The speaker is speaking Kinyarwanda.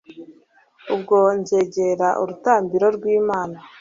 ubwo nzegera urutambiro rw'imana